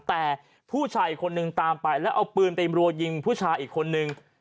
แต่ผู้ชายอีกคนนึงตามไปแล้วเอาปืนไปรัวยิงผู้ชายอีกคนนึง